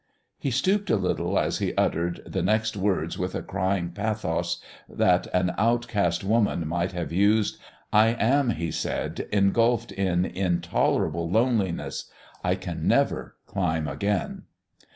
He stooped a little as he uttered the next words with a crying pathos that an outcast woman might have used. "I am," he said, "engulfed in intolerable loneliness. I can never climb again."